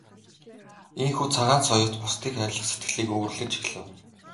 Ийнхүү Цагаан соёот бусдыг хайрлах сэтгэлийг өвөрлөж эхлэв.